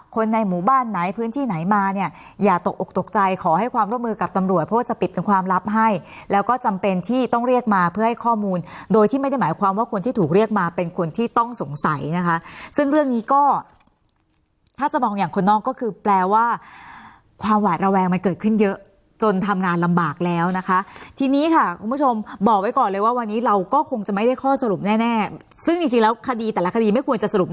คนในหมู่บ้านไหนพื้นที่ไหนมาเนี่ยอย่าตกออกตกใจขอให้ความร่วมมือกับตำรวจเพราะจะปิดความลับให้แล้วก็จำเป็นที่ต้องเรียกมาเพื่อให้ข้อมูลโดยที่ไม่ได้หมายความว่าคนที่ถูกเรียกมาเป็นคนที่ต้องสงสัยนะคะซึ่งเรื่องนี้ก็ถ้าจะมองอย่างคนนอกก็คือแปลว่าความหวาดระแวงมันเกิดขึ้นเยอะจนทำงานลำบากแล้วนะคะทีนี้ค